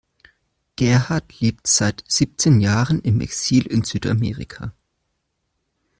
Gerhard lebt seit siebzehn Jahren im Exil in Südamerika.